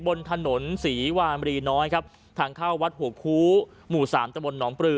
บนถนนศรีวามรีน้อยครับทางเข้าวัดหัวคูหมู่สามตะบนหนองปลือ